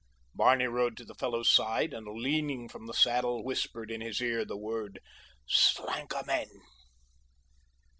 Barney rode to the fellow's side, and leaning from the saddle whispered in his ear the word "Slankamen."